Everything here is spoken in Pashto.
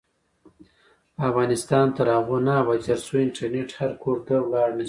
افغانستان تر هغو نه ابادیږي، ترڅو انټرنیټ هر کور ته لاړ نشي.